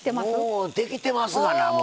もうできてますがなもう。